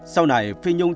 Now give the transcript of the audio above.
sau này phi nhung